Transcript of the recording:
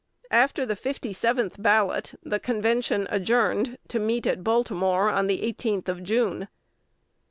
After the fifty seventh ballot, the Convention adjourned to meet at Baltimore on the 18th of June.